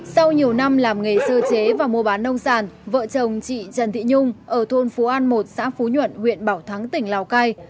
sau nhiều năm làm nghề sơ chế và mua bán nông sản vợ chồng chị trần thị nhung ở thôn phú an một xã phú nhuận huyện bảo thắng tỉnh lào cai